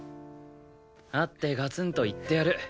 会ってガツンと言ってやる。